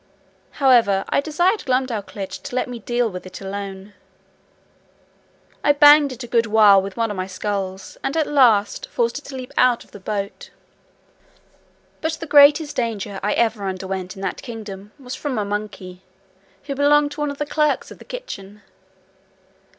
However, I desired Glumdalclitch to let me deal with it alone. I banged it a good while with one of my sculls, and at last forced it to leap out of the boat. But the greatest danger I ever underwent in that kingdom, was from a monkey, who belonged to one of the clerks of the kitchen.